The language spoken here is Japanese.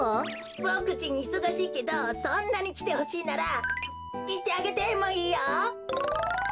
ぼくちんいそがしいけどそんなにきてほしいならいってあげてもいいよ！